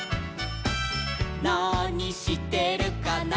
「なにしてるかな」